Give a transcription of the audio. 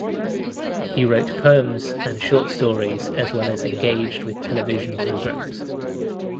He wrote poems and short stories as well as engaged with television programs.